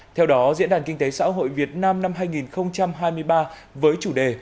theo đó diễn đàn kinh tế xã hội việt nam năm hai nghìn hai mươi ba với chủ đề